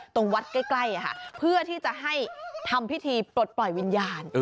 ตรงวัดใกล้เพื่อที่จะให้ทำพิธีปลดปล่อยวิญญาณ